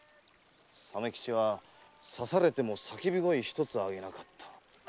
鮫吉は刺されても叫び声ひとつあげなかった。